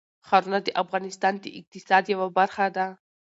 ښارونه د افغانستان د اقتصاد یوه برخه ده.